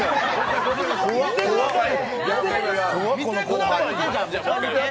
見てくださいよ！